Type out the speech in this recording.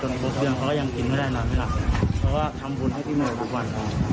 จนบทเรืองเขายังทิ้งไม่ได้นอนไม่หลับเพราะว่าทำบุญให้พี่โมทุกวัน